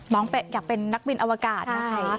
อยากเป็นนักบินอวกาศนะคะ